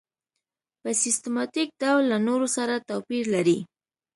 په سیستماتیک ډول له نورو سره توپیر لري.